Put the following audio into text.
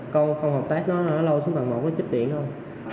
con không hợp tác nó lâu xuống phần một nó chích tiễn thôi